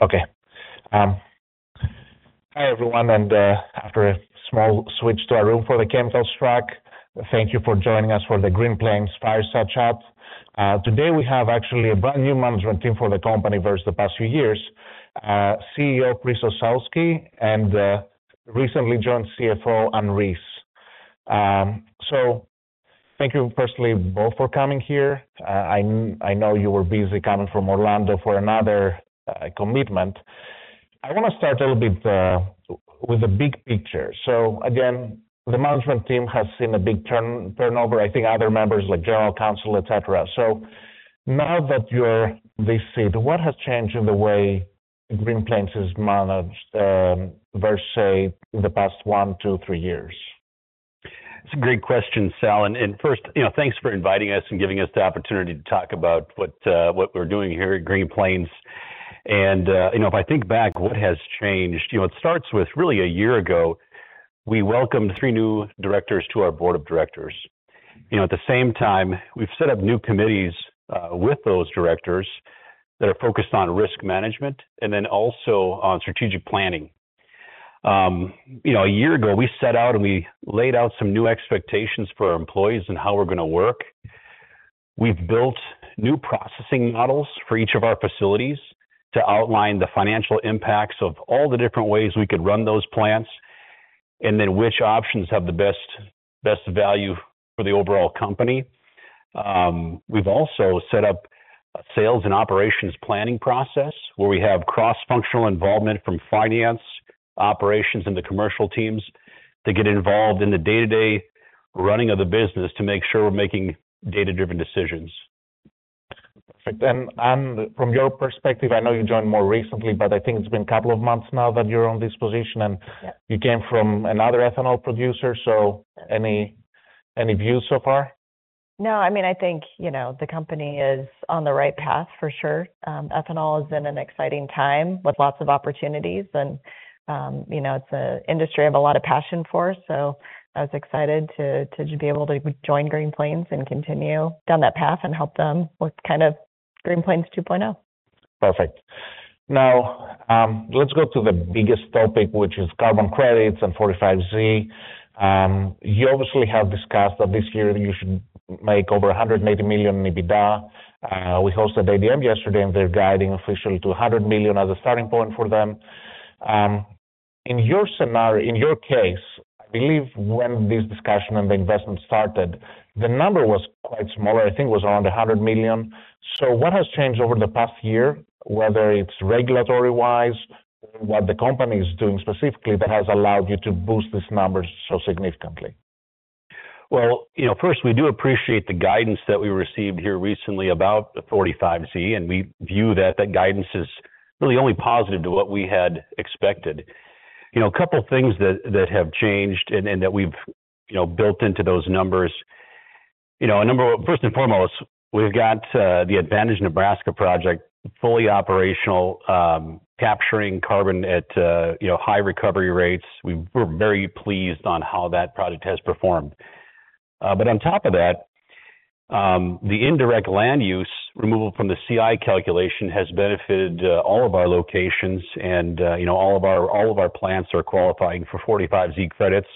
Okay. Hi, everyone, and after a small switch to our room for the chemicals track, thank you for joining us for the Green Plains Fireside Chat. Today, we have actually a brand new management team for the company versus the past few years, CEO Chris Osowski, and recently joined CFO, Ann Reis. So thank you personally, both for coming here. I know you were busy coming from Orlando for another commitment. I want to start a little bit with the big picture. Again, the management team has seen a big turnover, I think other members, like general counsel, et cetera. Now that you're in this seat, what has changed in the way Green Plains is managed versus the past one to three years? It's a great question, Sal. First thanks for inviting us and giving us the opportunity to talk about what we're doing here at Green Plains. You know, if I think back, what has changed? You know, it starts with really a year ago, we welcomed three new directors to our board of directors. You know, at the same time, we've set up new committees with those directors that are focused on risk management and then also on strategic planning. You know, a year ago, we set out and we laid out some new expectations for our employees and how we're going to work. We've built new processing models for each of our facilities to outline the financial impacts of all the different ways we could run those plants, and then which options have the best value for the overall company. We've also set up a sales and operations planning process, where we have cross-functional involvement from finance, operations, and the commercial teams to get involved in the day-to-day running of the business to make sure we're making data-driven decisions. Perfect. Anne, from your perspective, I know you joined more recently, but I think it's been a couple of months now that you're on this position. Yeah. You came from another ethanol producer, so any views so far? I think the company is on the right path for sure. Ethanol is in an exciting time with lots of opportunities it's an industry I have a lot of passion for, so I was excited to just be able to join Green Plains and continue down that path and help them with Green Plains 2.0. Perfect. let's go to the biggest topic, which is carbon credits and 45Z. You obviously have discussed that this year you should make over $180 million EBITDA. We hosted ADM yesterday, and they're guiding officially to $100 million as a starting point for them. In your scenario, in your case, I believe when this discussion and the investment started, the number was quite smaller. I think it was around $100 million. What has changed over the past year, whether it's regulatory-wise, what the company is doing specifically, that has allowed you to boost these numbers so significantly? First, we do appreciate the guidance that we received here recently about the 45Z. We view that that guidance is really only positive to what we had expected. A couple of things that have changed and that we've built into those numbers. Number one, first and foremost, we've got the Advantage Nebraska project fully operational, capturing carbon at high recovery rates. We're very pleased on how that project has performed. On top of that, the indirect land use removal from the CI calculation has benefited all of our locations, and all of our plants are qualifying for 45Z credits.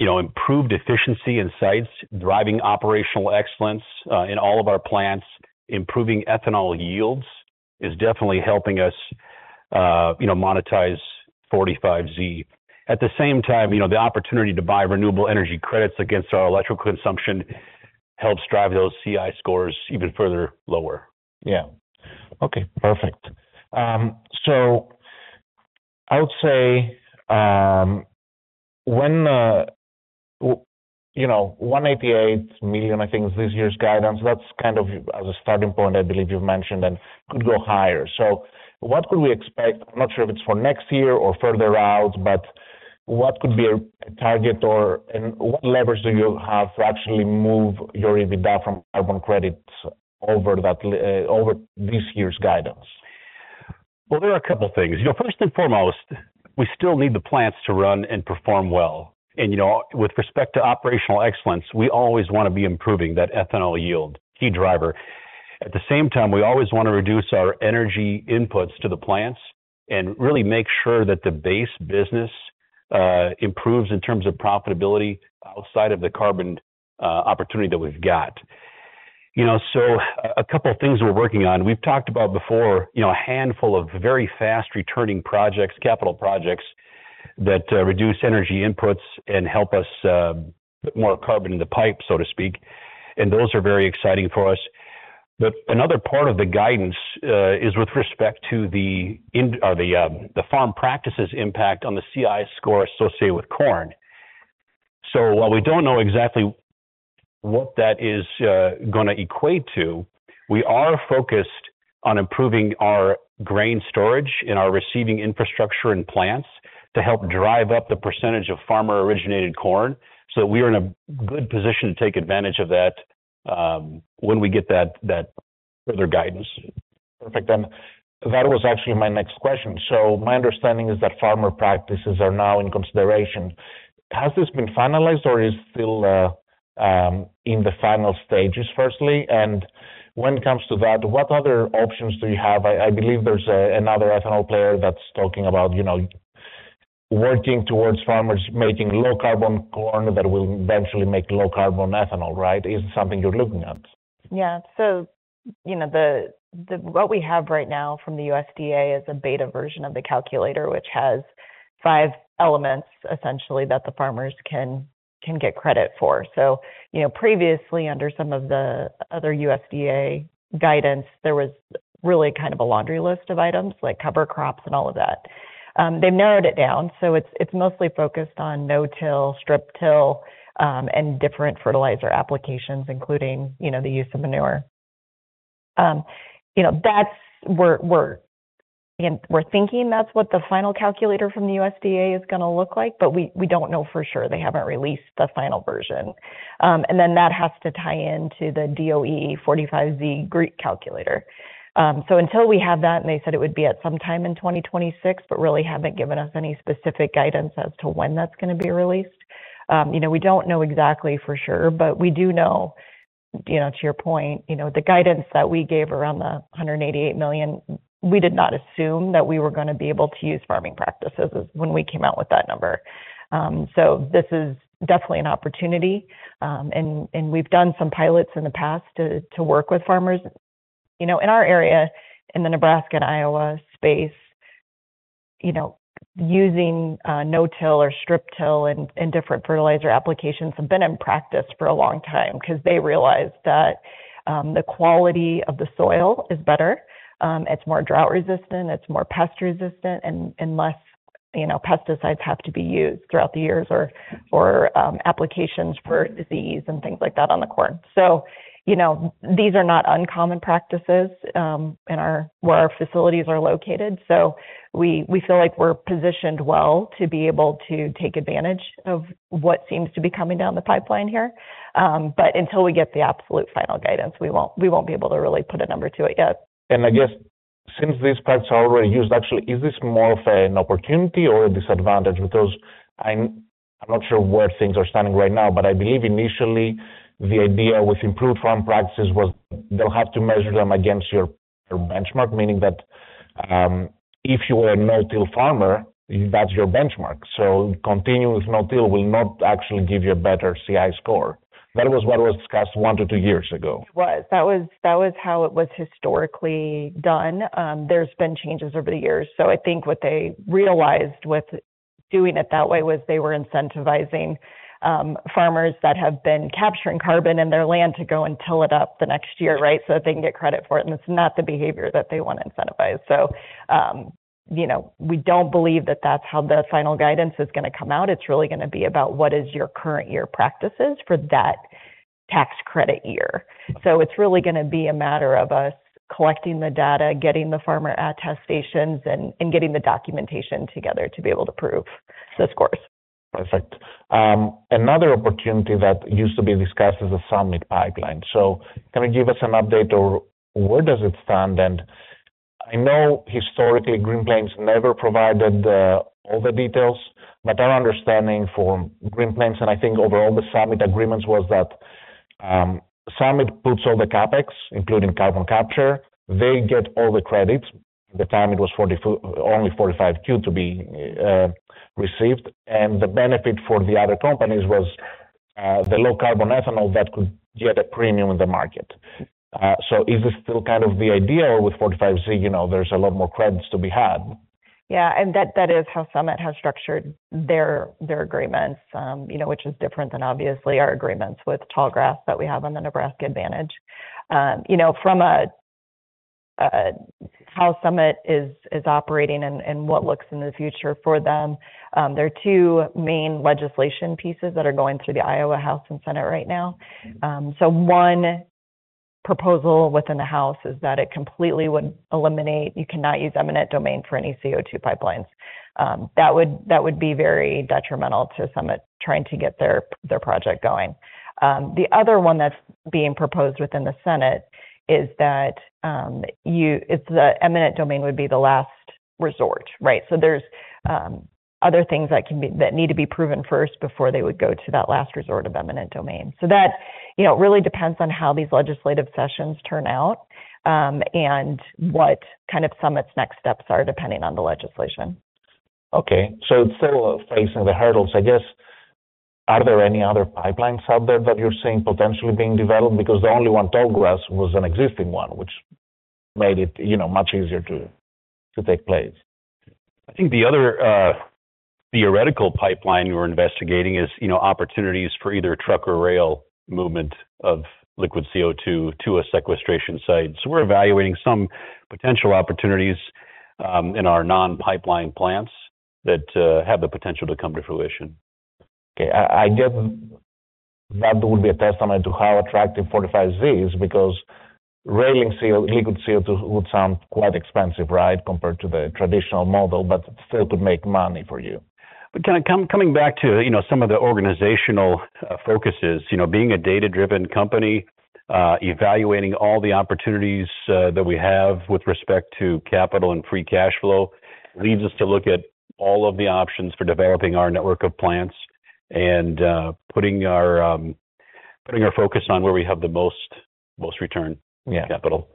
At the same time improved efficiency in sites, driving operational excellence, in all of our plants, improving ethanol yields, is definitely helping us monetize 45Z. At the same time the opportunity to buy renewable energy credits against our electrical consumption helps drive those CI scores even further lower. Yeah. Okay, perfect. I would say $188 million, I think, is this year's guidance. That's as a starting point, I believe you've mentioned, and could go higher. What could we expect? I'm not sure if it's for next year or further out, but what could be a target or, and what leverage do you have to actually move your EBITDA from carbon credits over that, over this year's guidance? There are two things. You know, first and foremost, we still need the plants to run and perform well. With respect to operational excellence, we always want to be improving that ethanol yield, key driver. At the same time, we always want to reduce our energy inputs to the plants and really make sure that the base business improves in terms of profitability outside of the carbon opportunity that we've got. A couple of things we're working on. We've talked about before a handful of very fast-returning projects, capital projects, that reduce energy inputs and help us put more carbon in the pipe, so to speak. Those are very exciting for us. Another part of the guidance is with respect to the farm practices impact on the CI score associated with corn. While we don't know exactly what that is gonna equate to, we are focused on improving our grain storage and our receiving infrastructure and plants to help drive up the percentage of farmer-originated corn. We are in a good position to take advantage of that when we get that further guidance. Perfect, that was actually my next question. My understanding is that farmer practices are now in consideration. Has this been finalized or is still in the final stages, firstly? When it comes to that, what other options do you have? I believe there's another ethanol player that's talking about working towards farmers making low-carbon corn that will eventually make low-carbon ethanol. Is it something you're looking at? What we have right now from the USDA is a beta version of the calculator, which has five elements, essentially, that the farmers can get credit for. Previously, under some of the other USDA guidance, there was really a laundry list of items, like cover crops and all of that. They've narrowed it down, so it's mostly focused on no-till, strip-till, and different fertilizer applications, including the use of manure. Again, we're thinking that's what the final calculator from the USDA is gonna look like, we don't know for sure. They haven't released the final version. That has to tie into the DOE 45Z GREET calculator. Until we have that, they said it would be at some time in 2026, really haven't given us any specific guidance as to when that's gonna be released. We don't know exactly for sure, we do know to your point the guidance that we gave around the $188 million, we did not assume that we were gonna be able to use farming practices when we came out with that number. This is definitely an opportunity, and we've done some pilots in the past to work with farmers. In our area, in the Nebraska and Iowa space using no-till or strip-till and different fertilizer applications have been in practice for a long time because they realized that the quality of the soil is better, it's more drought resistant, it's more pest resistant, and less pesticides have to be used throughout the years or applications for disease and things like that on the corn. These are not uncommon practices where our facilities are located, so we feel like we're positioned well to be able to take advantage of what seems to be coming down the pipeline here. Until we get the absolute final guidance, we won't be able to really put a number to it yet. Since these parts are already used, actually, is this more of an opportunity or a disadvantage? I'm not sure where things are standing right now, but I believe initially the idea with improved farm practices was they'll have to measure them against your benchmark, meaning that if you are a no-till farmer, that's your benchmark, so continuous no-till will not actually give you a better CI score. That was what was discussed one to two years ago. Right. That was how it was historically done. There's been changes over the years. I think what they realized with doing it that way was they were incentivizing farmers that have been capturing carbon in their land to go and till it up the next year. That they can get credit for it, and it's not the behavior that they want to incentivize. We don't believe that that's how the final guidance is gonna come out. It's really gonna be about what is your current year practices for that tax credit year. It's really gonna be a matter of us collecting the data, getting the farmer attestations, and getting the documentation together to be able to prove the scores. Perfect. Another opportunity that used to be discussed is the Summit pipeline. Can you give us an update, or where does it stand? I know historically, Green Plains never provided all the details, but our understanding for Green Plains, and I think over all the Summit agreements, was that Summit puts all the CapEx, including carbon capture, they get all the credits. At the time, it was only 45Q to be received, and the benefit for the other companies was the low carbon ethanol that could get a premium in the market. Is this still the idea with 45Z? You know, there's a lot more credits to be had. That is how Summit has structured their agreements which is different than obviously our agreements with Tallgrass that we have on the Advantage Nebraska. From how Summit is operating and what looks in the future for them, there are two main legislation pieces that are going through the Iowa House and Senate right now. One proposal within the House is that it completely would eliminate. You cannot use eminent domain for any CO2 pipelines. That would be very detrimental to Summit trying to get their project going. The other one that's being proposed within the Senate is that it's the eminent domain would be the last resort. There's other things that need to be proven first before they would go to that last resort of eminent domain. That really depends on how these legislative sessions turn out, and what Summit's next steps are, depending on the legislation. Okay. still facing the hurdles, I guess, are there any other pipelines out there that you're seeing potentially being developed? The only one, Tallgrass, was an existing one, which made it much easier to take place. I think the other, theoretical pipeline we're investigating is opportunities for either truck or rail movement of liquid CO2 to a sequestration site. We're evaluating some potential opportunities, in our non-pipeline plants that have the potential to come to fruition. Okay, that would be a testament to how attractive 45Z is, because railing liquid CO2 would sound quite expensive, right? Compared to the traditional model, but still could make money for you. Coming back to some of the organizational focuses being a data-driven company, evaluating all the opportunities that we have with respect to capital and free cash flow, leads us to look at all of the options for developing our network of plants, and putting our focus on where we have the most return capital.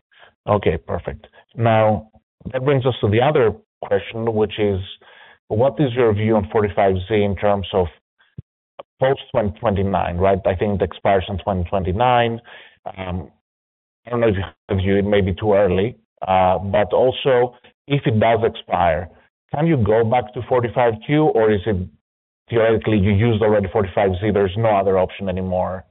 Okay, perfect. That brings us to the other question, which is: What is your view on 45Z in terms of post-2029. I think the expiration 2029, I don't know if you have a view, it may be too early, but also, if it does expire, can you go back to 45Q, or is it theoretically you used already 45Z, there's no other option anymore?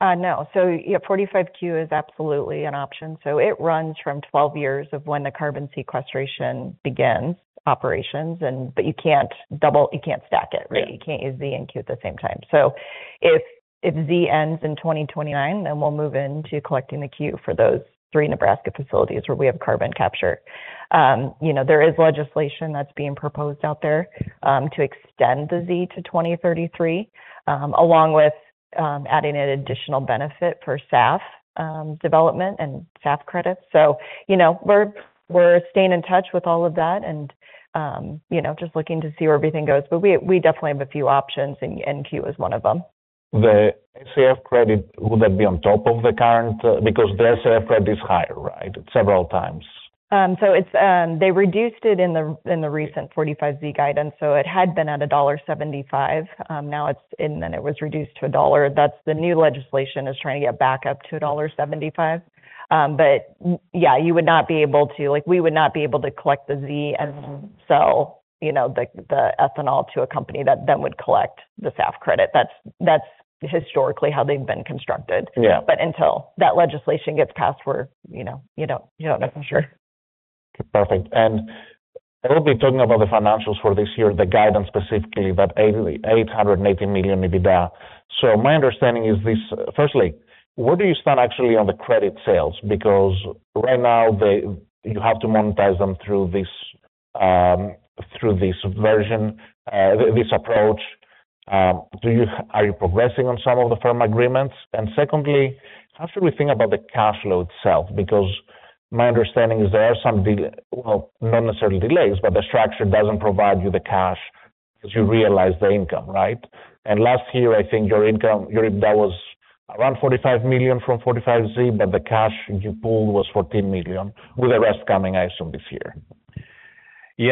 No. 45Q is absolutely an option. It runs from 12 years of when the carbon sequestration begins operations, but you can't stack it. Yeah. You can't use 45Z and 45Q at the same time. If 45Z ends in 2029, then we'll move into collecting the 45Q for those three Nebraska facilities where we have carbon capture. There is legislation that's being proposed out there to extend the 45Z to 2033 along with adding an additional benefit for SAF development and SAF credits. You know, we're staying in touch with all of that and just looking to see where everything goes. We definitely have a few options, and 45Q is one of them. The SAF credit, would that be on top of the current? Because the SAF credit is higher, right? Several times. They reduced it in the recent 45Z guidance, so it had been at $1.75. Now and then it was reduced to $1. That's the new legislation is trying to get back up to $1.75. Yeah, like, we would not be able to collect the Z and sell the ethanol to a company that then would collect the SAF credit. That's historically how they've been constructed. Yeah. Until that legislation gets passed, we're you don't know for sure. Perfect. We'll be talking about the financials for this year, the guidance specifically, that $880 million EBITDA. My understanding is this. Firstly, where do you stand actually on the credit sales? Because right now, you have to monetize them through this, through this version, this approach. Are you progressing on some of the firm agreements? Secondly, how should we think about the cash flow itself? Because my understanding is there are some delay, well, not necessarily delays, but the structure doesn't provide you the cash as you realize the income, right? Last year, I think your income, your EBITDA was around $45 million from 45Z, but the cash you pulled was $14 million, with the rest coming, I assume, this year. We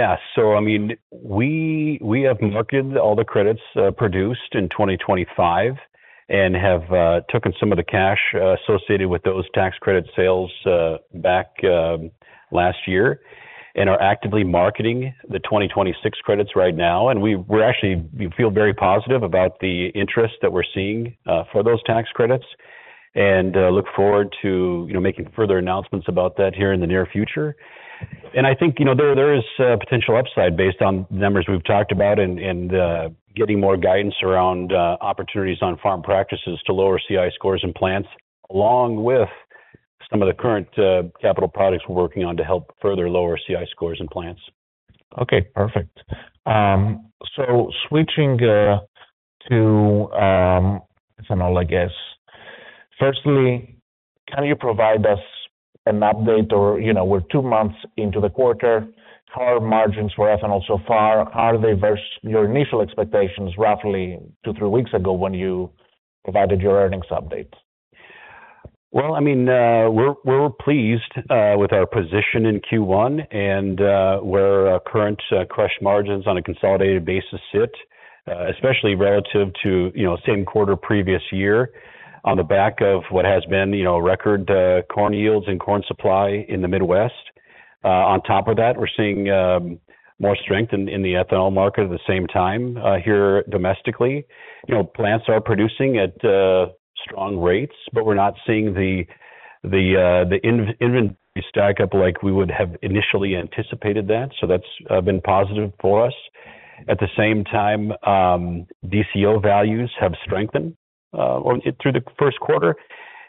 have marketed all the credits produced in 2025 and have taken some of the cash associated with those tax credit sales back last year and are actively marketing the 2026 credits right now. We're actually, we feel very positive about the interest that we're seeing for those tax credits and look forward to making further announcements about that here in the near future. I think there is a potential upside based on numbers we've talked about and getting more guidance around opportunities on farm practices to lower CI scores in plants, along with some of the current capital products we're working on to help further lower CI scores in plants. Perfect. Switching to ethanol. Firstly, can you provide us an update or we're two months into the quarter, how are margins for ethanol so far? How are they versus your initial expectations, roughly two, three weeks ago, when you provided your earnings updates? We're pleased with our position in Q1, and where our current crush margins on a consolidated basis sit, especially relative to same quarter previous year, on the back of what has been record corn yields and corn supply in the Midwest. On top of that, we're seeing more strength in the ethanol market at the same time here domestically. You know, plants are producing at strong rates, but we're not seeing the inventory stack up like we would have initially anticipated that. That's been positive for us. At the same time, DCO values have strengthened through the first quarter,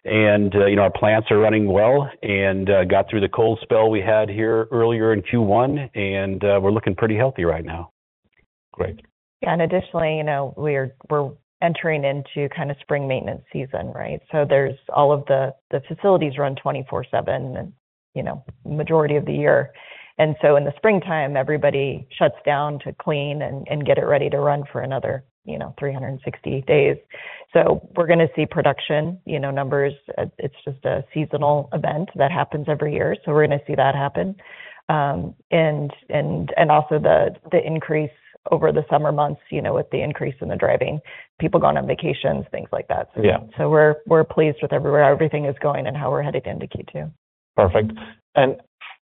and our plants are running well and got through the cold spell we had here earlier in Q1, and we're looking pretty healthy right now. Great. Additionally we're entering into spring maintenance season, right? There's all of the facilities run 24/7, and majority of the year. In the springtime, everybody shuts down to clean and get it ready to run for another 360 days. We're gonna see production numbers. It's just a seasonal event that happens every year, we're gonna see that happen. Also the increase over the summer months with the increase in the driving, people going on vacations, things like that. Yeah. We're pleased with where everything is going and how we're headed into Q2. Perfect.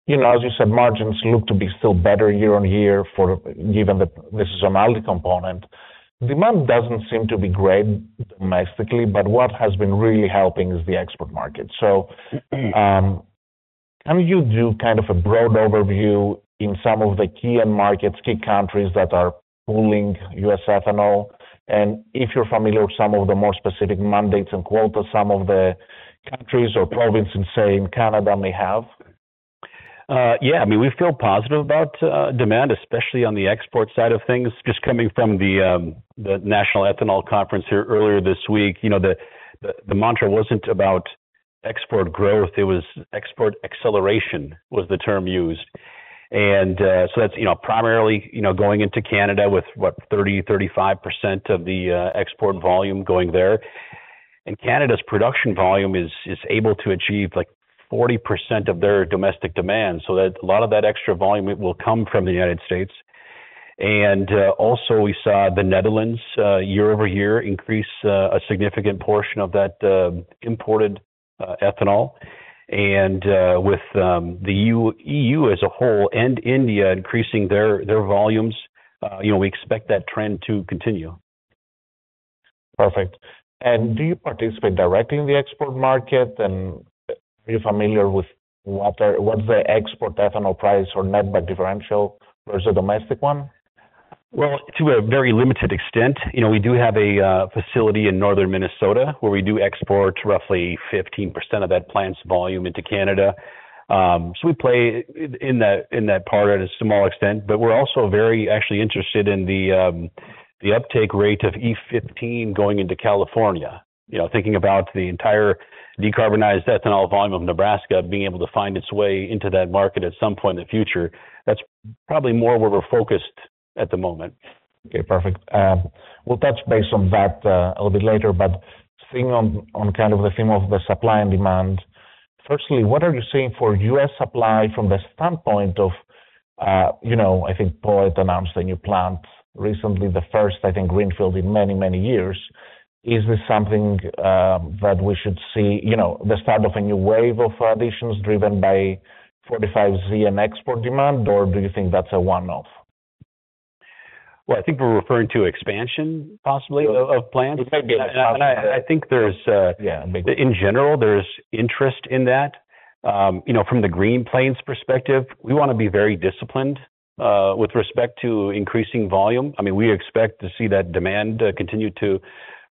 You know, as you said, margins look to be still better year-over-year for, given the seasonality component. Demand doesn't seem to be great domestically, but what has been really helping is the export market. Can you do a broad overview in some of the key end markets, key countries that are pulling U.S. ethanol, and if you're familiar with some of the more specific mandates and quotas some of the countries or provinces, say, in Canada may have? yeah, I mean, we feel positive about demand, especially on the export side of things. Just coming from the National Ethanol Conference here earlier this week the mantra wasn't about export growth, it was export acceleration, was the term used. So that's primarily going into Canada with, what? 30-35% of the export volume going there. Canada's production volume is able to achieve, like, 40% of their domestic demand, so that a lot of that extra volume will come from the United States. Also, we saw the Netherlands year-over-year increase a significant portion of that imported ethanol. With the EU as a whole and India increasing their volumes we expect that trend to continue. Perfect. Do you participate directly in the export market? Are you familiar with what's the export ethanol price or net back differential versus the domestic one? Well, to a very limited extent. You know, we do have a facility in northern Minnesota, where we do export roughly 15% of that plant's volume into Canada. We play in that, in that part at a small extent, but we're also very actually interested in the uptake rate of E15 going into California. You know, thinking about the entire decarbonized ethanol volume of Nebraska being able to find its way into that market at some point in the future. That's probably more where we're focused at the moment. Okay, perfect. We'll touch base on that a little bit later. Staying on the theme of the supply and demand, firstly, what are you seeing for U.S. supply from the standpoint of, you know I think POET announced a new plant recently, the first, I think, greenfield in many, many years. Is this something that we should see the start of a new wave of additions driven by 45Z and export demand, or do you think that's a one-off? Well, I think we're referring to expansion, possibly, of plans? It could be. I think there's. Yeah. In general, there's interest in that. You know, from the Green Plains perspective, we wanna be very disciplined with respect to increasing volume. I mean, we expect to see that demand continue to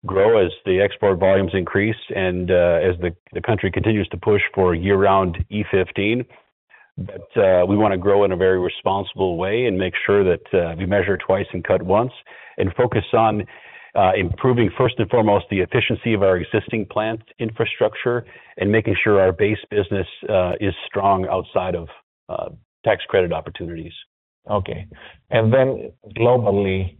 grow as the export volumes increase and as the country continues to push for year-round E15. We wanna grow in a very responsible way and make sure that we measure twice and cut once, and focus on improving, first and foremost, the efficiency of our existing plant infrastructure, and making sure our base business is strong outside of tax credit opportunities. Okay. Then globally,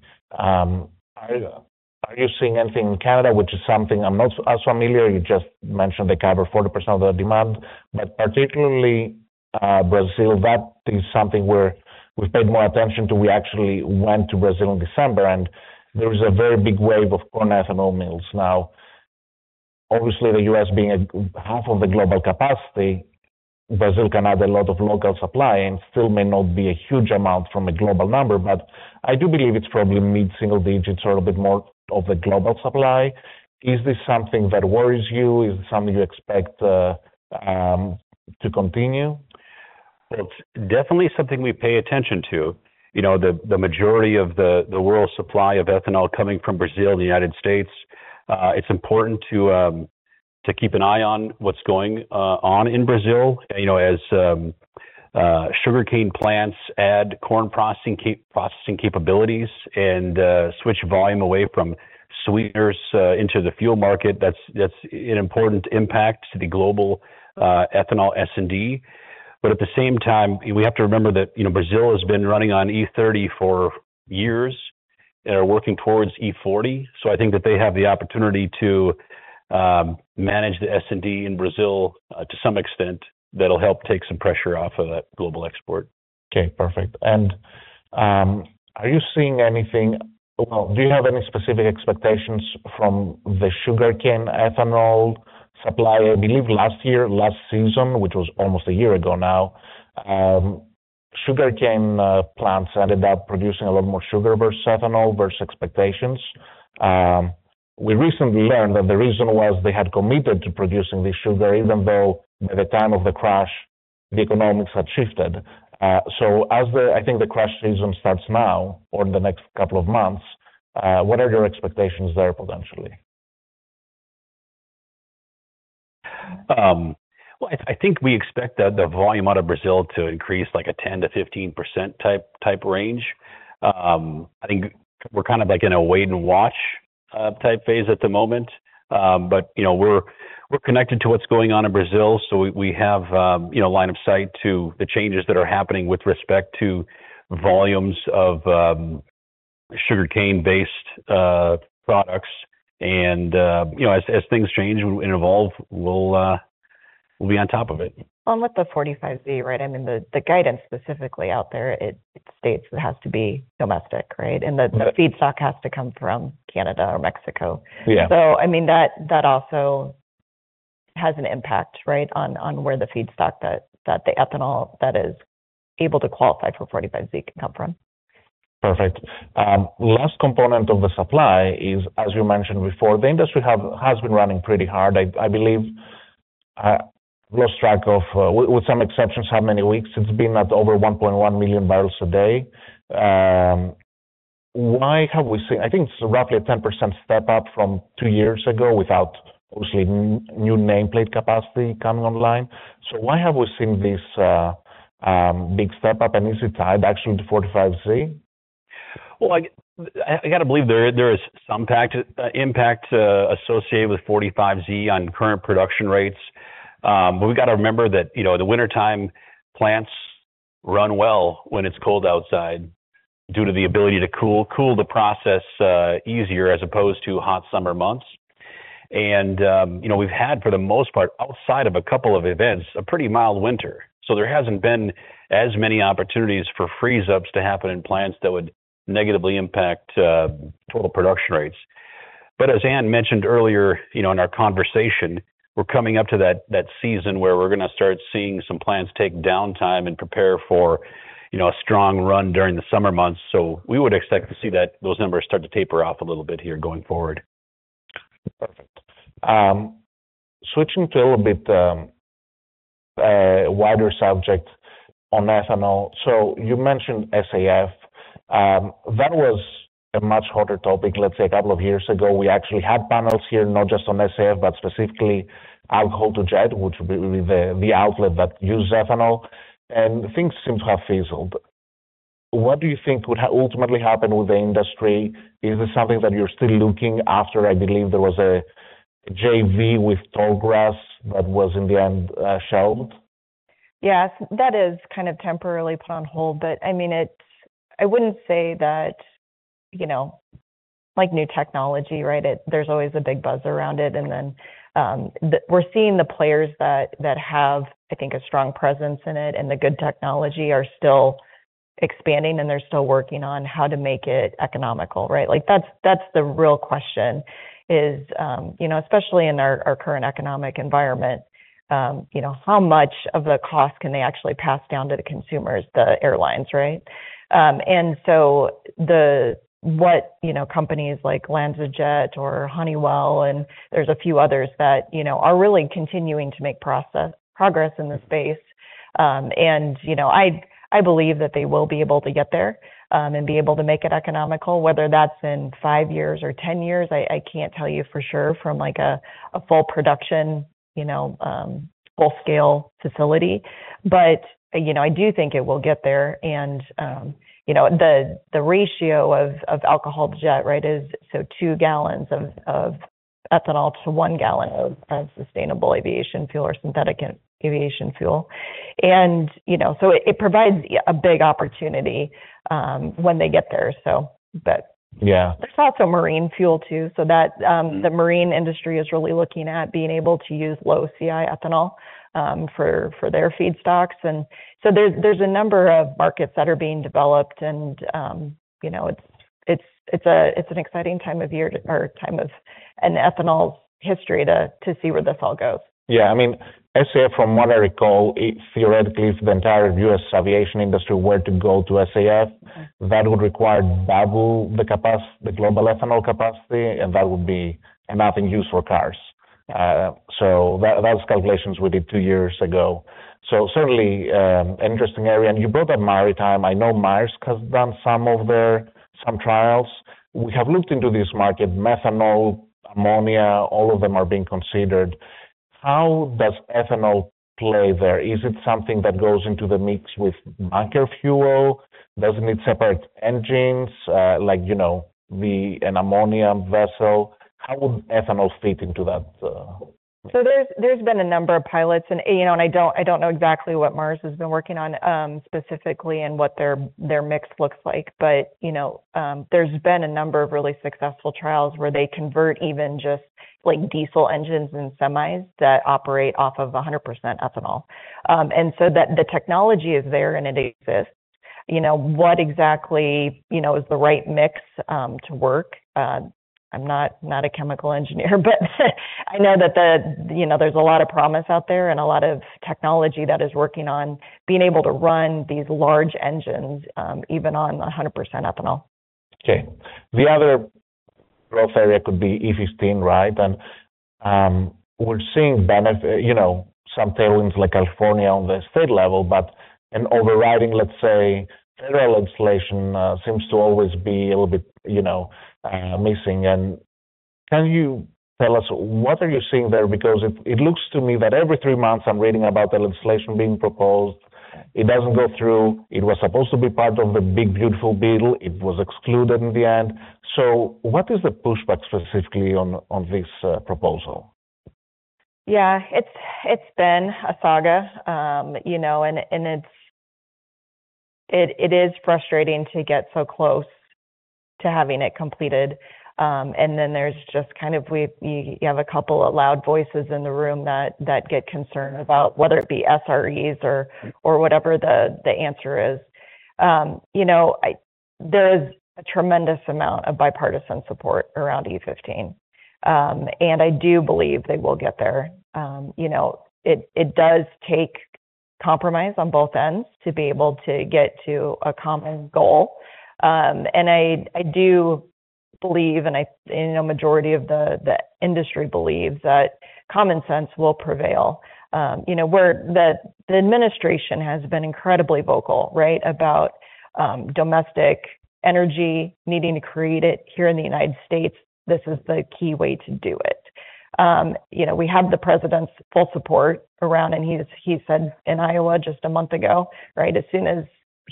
are you seeing anything in Canada, which is something I'm not as familiar. You just mentioned they cover 40% of the demand, but particularly, Brazil, that is something where we've paid more attention to. We actually went to Brazil in December, and there is a very big wave of corn ethanol mills now. Obviously, the U.S. being a half of the global capacity, Brazil can add a lot of local supply and still may not be a huge amount from a global number, but I do believe it's probably mid-single digits or a bit more of the global supply. Is this something that worries you? Is it something you expect to continue? Well, it's definitely something we pay attention to. You know, the majority of the world's supply of ethanol coming from Brazil and the United States, it's important to keep an eye on what's going on in Brazil. You know, as sugarcane plants add corn processing capabilities and switch volume away from sweeteners into the fuel market, that's an important impact to the global ethanol S&D. At the same time, we have to remember that Brazil has been running on E30 for years and are working towards E40. I think that they have the opportunity to manage the S&D in Brazil to some extent. That'll help take some pressure off of that global export. Okay, perfect. Well, do you have any specific expectations from the sugarcane ethanol supply? I believe last year, last season, which was almost a year ago now, sugarcane plants ended up producing a lot more sugar versus ethanol versus expectations. We recently learned that the reason was they had committed to producing this sugar, even though by the time of the crush, the economics had shifted. I think the crush season starts now or in the next couple of months, what are your expectations there, potentially? Well, I think we expect that the volume out of Brazil to increase, like a 10%-15% type range. I think we're, like, in a wait-and-watch type phase at the moment. But we're connected to what's going on in Brazil, so we have line of sight to the changes that are happening with respect to volumes of sugarcane-based products. You know, as things change and evolve, we'll be on top of it. With the 45Z, right? I mean, the guidance specifically out there, it states it has to be domestic, right? Mm-hmm. The feedstock has to come from Canada or Mexico. Yeah. I mean, that also has an impact, right, on where the feedstock that the ethanol that is able to qualify for 45Z can come from. Perfect. Last component of the supply is, as you mentioned before, the industry has been running pretty hard. I believe I lost track of, with some exceptions, how many weeks it's been at over 1.1 million barrels a day. Why have we seen, I think it's roughly a 10% step up from 2 years ago, without obviously, new nameplate capacity coming online? Why have we seen this big step up, and is it tied back to the 45Z? Well, I gotta believe there is some pact, impact, associated with 45Z on current production rates. We got to remember that the wintertime plants run well when it's cold outside, due to the ability to cool the process, easier, as opposed to hot summer months. You know, we've had, for the most part, outside of a couple of events, a pretty mild winter. There hasn't been as many opportunities for freeze-ups to happen in plants that would negatively impact total production rates. As Anne mentioned earlier in our conversation, we're coming up to that season where we're going to start seeing some plants take downtime and prepare for a strong run during the summer months. We would expect to see those numbers start to taper off a little bit here going forward. Perfect. Switching to a little bit, wider subject on ethanol. You mentioned SAF. That was a much hotter topic, let's say, a couple of years ago. We actually had panels here, not just on SAF, but specifically alcohol to jet, which would be the outlet that use ethanol. Things seem to have fizzled. What do you think would ultimately happen with the industry? Is it something that you're still looking after? I believe there was a JV with Tallgrass that was in the end, shelved. Yes, that is temporarily put on hold, I mean, it's, I wouldn't say that like new technology, right? It, there's always a big buzz around it, the, we're seeing the players that have, I think, a strong presence in it, and the good technology are still expanding, and they're still working on how to make it economical, right? That's the real question: is especially in our current economic environment how much of the cost can they actually pass down to the consumers, the airlines, right? The what companies like LanzaJet or Honeywell, and there's a few others that are really continuing to make progress in this space. You know, I believe that they will be able to get there, and be able to make it economical, whether that's in 5 years or 10 years, I can't tell you for sure, from, like, a full production full-scale facility. You know, I do think it will get there. You know, the ratio of alcohol to jet, right, is so 2 gallons of ethanol to 1 gallon of sustainable aviation fuel or synthetic aviation fuel. You know, so it provides a big opportunity, when they get there. Yeah. There's also marine fuel too, so that. Mm. the marine industry is really looking at being able to use low CI ethanol, for their feedstocks. There's a number of markets that are being developed and it's an exciting time of year or time in ethanol's history to see where this all goes. I mean, SAF, from what I recall, it theoretically, if the entire US aviation industry were to go to SAF, that would require double the global ethanol capacity, and that would be nothing used for cars. That, that's calculations we did 2 years ago. Certainly, interesting area. You brought up maritime. I know Maersk has done some of their trials. We have looked into this market, methanol, ammonia, all of them are being considered. How does ethanol play there? Is it something that goes into the mix with bunker fuel? Does it need separate engines, like an ammonia vessel? How would ethanol fit into that? There's been a number of pilots, and I don't know exactly what Maersk has been working on, specifically and what their mix looks like. You know, there's been a number of really successful trials where they convert even just like diesel engines and semis that operate off of 100% ethanol. The technology is there and it exists. You know, what exactly is the right mix, to work? I'm not a chemical engineer, but I know that you know, there's a lot of promise out there and a lot of technology that is working on being able to run these large engines, even on 100% ethanol. Okay. The other growth area could be E15, right? We're seeing benefit some things like California on the state level, but an overriding, let's say, federal legislation seems to always be a little bit missing. Can you tell us, what are you seeing there? Because it looks to me that every three months I'm reading about the legislation being proposed, it doesn't go through. It was supposed to be part of the One Big Beautiful Bill. It was excluded in the end. What is the pushback specifically on this proposal? Yeah, it's been a saga and it is frustrating to get so close to having it completed. Then there's just you have a couple of loud voices in the room that get concerned about whether it be SREs or whatever the answer is. You know, there's a tremendous amount of bipartisan support around E15, I do believe they will get there. You know, it does take compromise on both ends to be able to get to a common goal. I do believe, and a majority of the industry believes that common sense will prevail. You know, where the administration has been incredibly vocal, right, about domestic energy, needing to create it here in the United States. This is the key way to do it. you know, we have the president's full support around, and he said in Iowa just a month ago, right? As soon as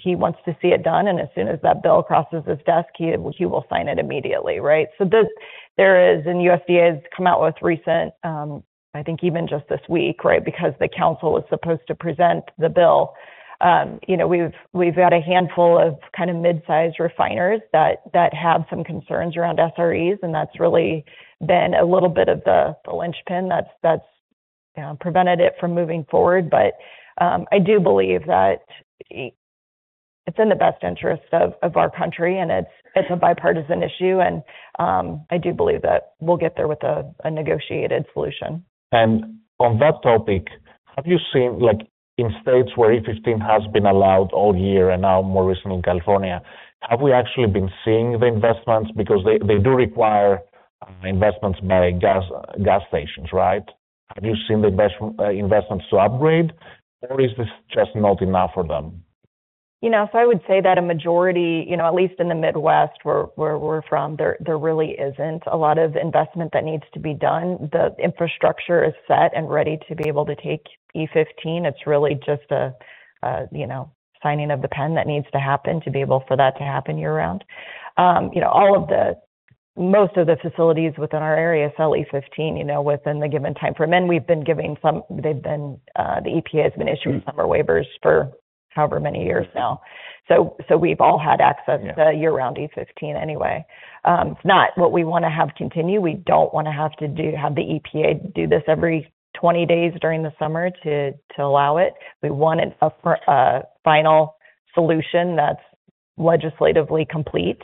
he wants to see it done, and as soon as that bill crosses his desk, he will sign it immediately, right? This, there is, and USDA has come out with recent, I think even just this week, right? Because the council was supposed to present the bill. you know, we've got a handful of mid-sized refiners that have some concerns around SREs, and that's really been a little bit of the linchpin that's prevented it from moving forward.I do believe that it's in the best interest of our country, and it's a bipartisan issue, and I do believe that we'll get there with a negotiated solution. On that topic, have you seen, like in states where E15 has been allowed all year and now more recently in California, have we actually been seeing the investments? Because they do require investments by gas stations, right? Have you seen the investments to upgrade, or is this just not enough for them? You know, I would say that a majority at least in the Midwest, where we're from, there really isn't a lot of investment that needs to be done. The infrastructure is set and ready to be able to take E15. It's really just a signing of the pen that needs to happen to be able for that to happen year round. You know, most of the facilities within our area sell E15 within the given time frame. They've been, the EPA has been issuing summer waivers for however many years now. We've all had access. Yeah... to year-round E15 anyway. It's not what we want to have continue. We don't want to have the EPA do this every 20 days during the summer to allow it. We want a final solution that's legislatively complete.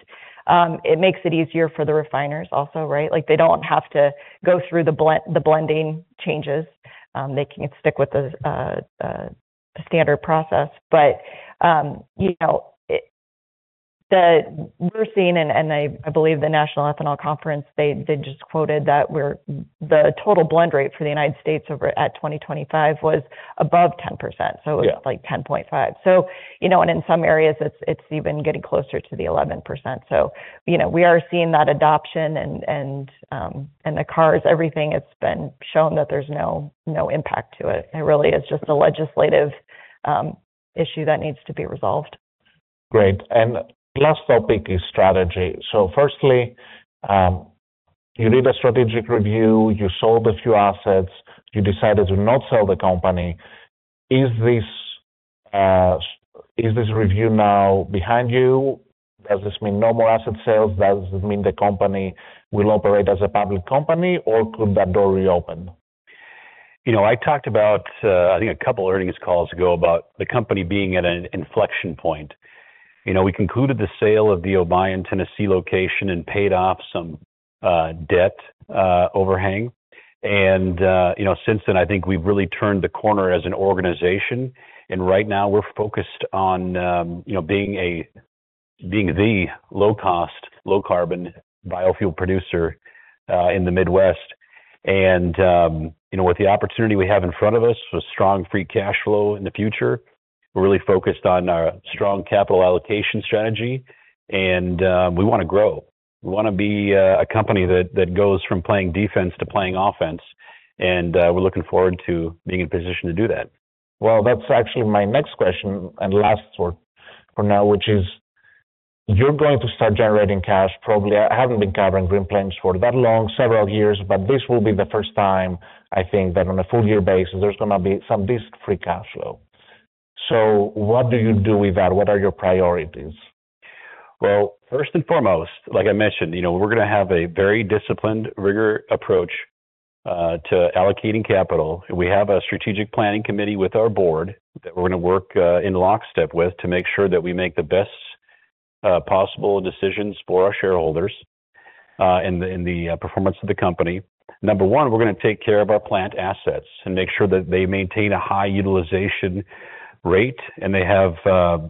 It makes it easier for the refiners also, right? Like, they don't have to go through the blending changes. They can stick with the standard process. You know, we're seeing, and I believe the National Ethanol Conference, they just quoted that the total blend rate for the United States over at 2025 was above 10%. Yeah. It was like 10.5. You know, and in some areas, it's even getting closer to the 11%. You know, we are seeing that adoption and the cars, everything, it's been shown that there's no impact to it. It really is just a legislative issue that needs to be resolved. Great. Last topic is strategy. Firstly, you did a strategic review, you sold a few assets, you decided to not sell the company. Is this review now behind you? Does this mean no more asset sales? Does this mean the company will operate as a public company, or could that door reopen? You know, I talked about, I think a couple earnings calls ago, about the company being at an inflection point. You know, we concluded the sale of the Obion, Tennessee, location and paid off some debt overhang. You know, since then, I think we've really turned the corner as an organization. Right now, we're focused on being the low cost, low carbon biofuel producer in the Midwest. You know, with the opportunity we have in front of us for strong free cash flow in the future, we're really focused on our strong capital allocation strategy, we want to grow. We want to be a company that goes from playing defense to playing offense, we're looking forward to being in a position to do that. Well, that's actually my next question, and last for now, which is: you're going to start generating cash, probably. I haven't been covering Green Plains for that long, several years, but this will be the first time, I think, that on a full year basis, there's gonna be some decent free cash flow. What do you do with that? What are your priorities? First and foremost, like I mentioned we're gonna have a very disciplined, rigor approach to allocating capital. We have a strategic planning committee with our board that we're gonna work in lockstep with to make sure that we make the best possible decisions for our shareholders in the, in the, performance of the company. Number one, we're gonna take care of our plant assets and make sure that they maintain a high utilization rate, and they have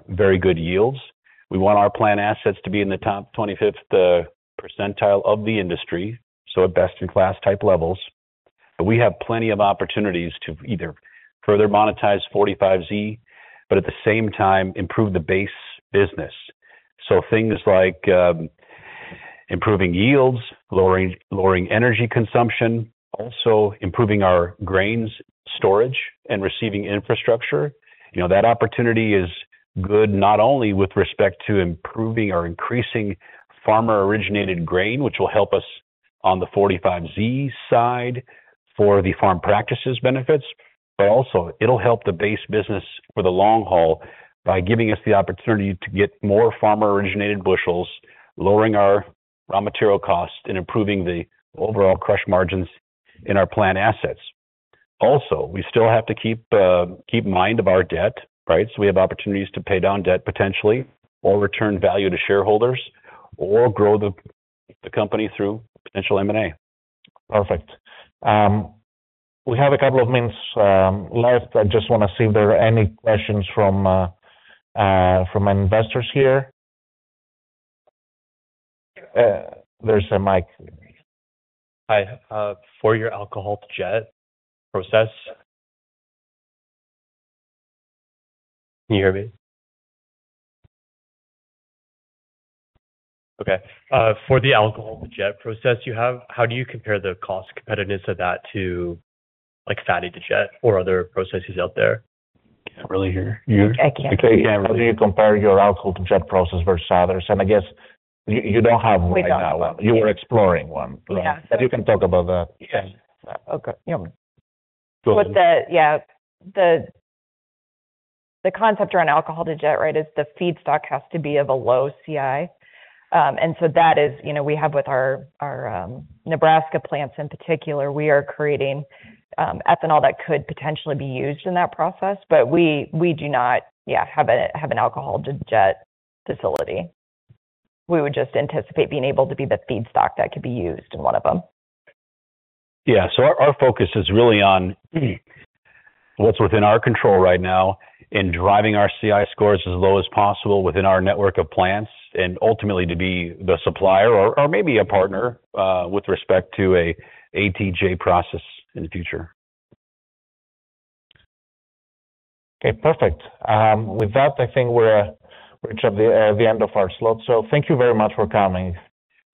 very good yields. We want our plant assets to be in the top 25th percentile of the industry, so at best-in-class type levels. We have plenty of opportunities to either further monetize 45Z, but at the same time, improve the base business. Things like improving yields, lowering energy consumption, also improving our grains storage and receiving infrastructure. You know, that opportunity is good not only with respect to improving or increasing farmer-originated grain, which will help us on the 45Z side for the farm practices benefits, but also it'll help the base business for the long haul by giving us the opportunity to get more farmer-originated bushels, lowering our raw material costs, and improving the overall crush margins in our plant assets. We still have to keep mind of our debt, right. We have opportunities to pay down debt, potentially, or return value to shareholders, or grow the company through potential M&A. Perfect. We have a couple of minutes left. I just want to see if there are any questions from investors here. There's a mic. Hi. Can you hear me? Okay, for the alcohol to jet process you have, how do you compare the cost competitiveness of that to, like, fatty to jet or other processes out there? Can't really hear you. I can't. How do you compare your alcohol to jet process versus others? I guess you don't have one right now. We don't have one. You were exploring one. Yeah. You can talk about that. Yes. Okay. Yeah. The concept around alcohol to jet, right, is the feedstock has to be of a low CI. That is we have with our Nebraska plants in particular, we are creating ethanol that could potentially be used in that process. We do not, yeah, have an alcohol to jet facility. We would just anticipate being able to be the feedstock that could be used in one of them. Yeah, our focus is really on what's within our control right now in driving our CI scores as low as possible within our network of plants, and ultimately to be the supplier or maybe a partner, with respect to an ATJ process in the future. Okay, perfect. With that, I think we're reached at the end of our slot. Thank you very much for coming.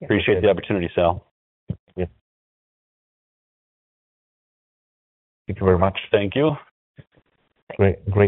Appreciate the opportunity, Sal. Thank you. Thank you very much. Thank you. Great.